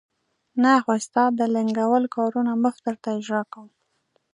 نه، خو ستا د لنګول کارونه مفت درته اجرا کوم.